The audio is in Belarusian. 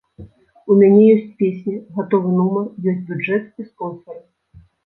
У мяне ёсць песня, гатовы нумар, ёсць бюджэт і спонсары.